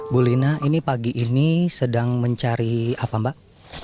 bu lina ini pagi ini sedang mencari apa mbak